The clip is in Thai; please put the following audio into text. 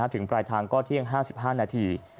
ถึงปลายทางก็เที่ยง๕๕นาที